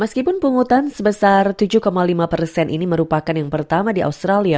meskipun pungutan sebesar tujuh lima ini merupakan yang pertama di australia